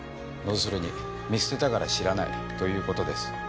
要するに見捨てたから知らないということです。